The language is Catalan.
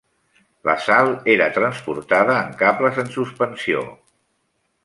La sal era transportada en cables en suspensió.